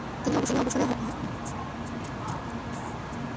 তিনি অবসরে horror cinema দেখতে পছন্দ করেন।